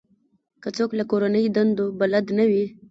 که څوک له کورنۍ دندو بلد نه وي.